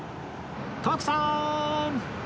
徳さーん！